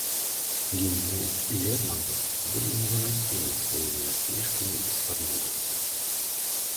Гейне и Лермонтов были невыносимы своими насмешками и сварливостью.